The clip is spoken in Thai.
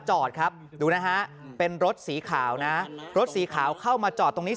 จอดครับดูนะฮะเป็นรถสีขาวนะรถสีขาวเข้ามาจอดตรงนี้